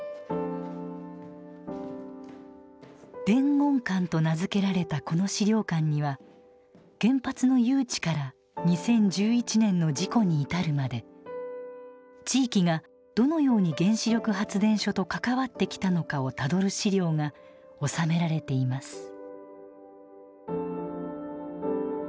伝言館と名付けられたこの資料館には原発の誘致から２０１１年の事故に至るまで地域がどのように原子力発電所と関わってきたのかをたどる資料が収められています。